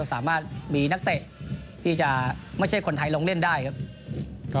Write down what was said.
สามารถมีนักเตะที่จะไม่ใช่คนไทยลงเล่นได้ครับ